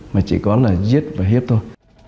mà chỉ có là giết và hiếp thôi